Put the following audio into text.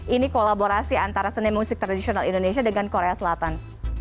ini kolaborasi antara seni musik tradisional indonesia dengan korea selatan